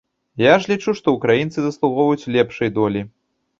Я ж лічу, што ўкраінцы заслугоўваюць лепшай долі.